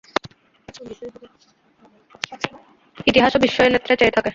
ইতিহাসও বিস্ময় নেত্রে চেয়ে থাকে।